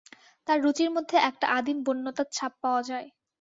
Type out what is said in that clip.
তার রুচির মধ্যে একটা আদিম বন্যতার ছাপ পাওয়া যায়।